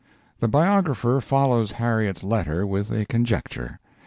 The biographer follows Harriet's letter with a conjecture.